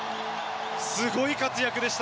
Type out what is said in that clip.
すごい活躍でした。